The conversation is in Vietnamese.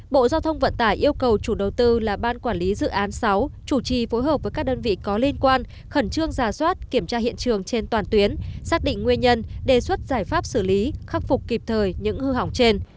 bộ giao thông vận tải yêu cầu chủ đầu tư là ban quản lý dự án sáu chủ trì phối hợp với các đơn vị có liên quan khẩn trương giả soát kiểm tra hiện trường trên toàn tuyến xác định nguyên nhân đề xuất giải pháp xử lý khắc phục kịp thời những hư hỏng trên